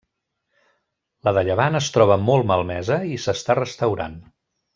La de llevant es troba molt malmesa i s'està restaurant.